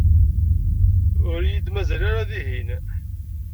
Ur iyi-d-mazal ara dihin.